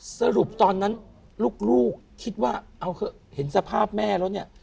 สรุปตอนนั้นลูกคิดว่าเอาเถอะเห็นสภาพแม่แล้วเนี่ย